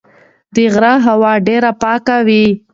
د غره هوا ډېره پاکه ده.